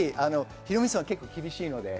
ヒロミさんは結構、厳しいので。